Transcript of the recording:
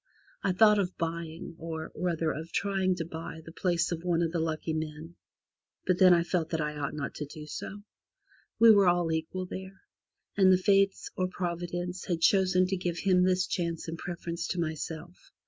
I thought of buying or, rather, of trying to buy the place of one of the lucky men, but then I felt that I ought not to do so. We were all equal there, and the Fates, or Providence, had chosen to give him this chance in preference to myself.